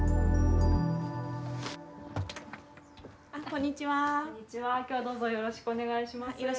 こんにちは、きょうはどうぞよろしくお願いします。